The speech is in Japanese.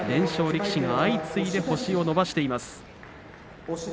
力士が相次いで星を伸ばしています。